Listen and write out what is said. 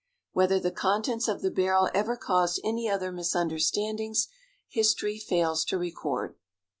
Whether the contents of the barrel ever caused any other misunderstandings history fails to record.